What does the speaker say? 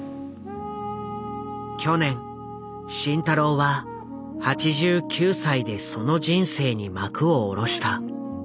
去年慎太郎は８９歳でその人生に幕を下ろした。